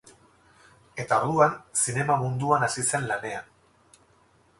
Eta orduan zinema munduan hasi zen lanean.